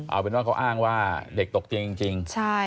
เอาเป็นว่าเขาอ้างว่าเด็กตกเตียงจริง